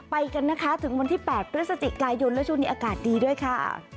ไปกันนะคะถึงวันที่๘พฤศจิกายนและช่วงนี้อากาศดีด้วยค่ะ